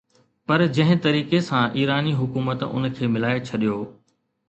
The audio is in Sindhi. پر جنهن طريقي سان ايراني حڪومت ان کي ملائي ڇڏيو